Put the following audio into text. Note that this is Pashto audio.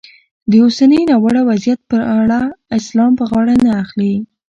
د اوسني ناوړه وضیعت پړه اسلام پر غاړه نه اخلي.